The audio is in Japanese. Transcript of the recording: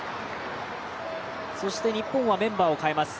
そして日本はメンバーを代えます。